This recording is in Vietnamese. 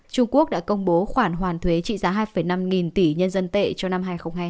trung quốc đã công bố khoản hoàn thuế trị giá hai năm nghìn tỷ nhân dân tệ cho năm hai nghìn hai mươi hai